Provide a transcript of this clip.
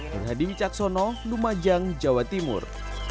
berhadiri caksono lumajang jawa timur